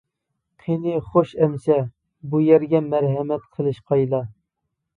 قېنى خوش ئەمىسە بۇ يەرگە مەرھەمەت قىلىشقايلا!